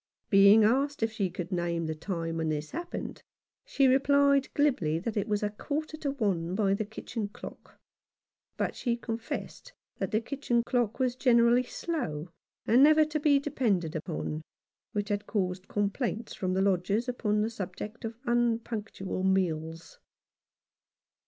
Being asked if she could name the time when this happened, she replied glibly that it was a quarter to one by the kitchen clock ; but she confessed that the kitchen clock was generally slow, and never to be depended upon, which had caused complaints from the lodgers upon the subject of unpunctual meals.